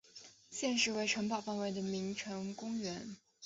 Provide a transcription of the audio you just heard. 现时为城堡范围为名城公园。